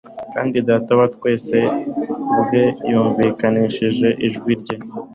kandi na Data wa twese ubwe yumvikanishije ijwi rye.